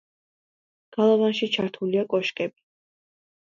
გალავანში ჩართულია კოშკები.